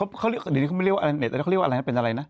เดี๋ยวนี้ไม่ได้เรียกว่าอะไรแบบนี้แบบอะไรเป็นอะไรน่ะ